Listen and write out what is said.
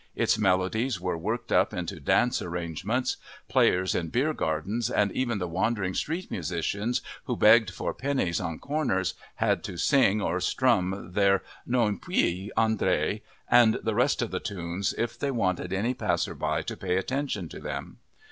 Its melodies were worked up into dance arrangements. Players in beer gardens and even the wandering street musicians who begged for pennies on corners had to sing or strum their Non piu andrai and the rest of the tunes if they wanted any passer by to pay attention to them.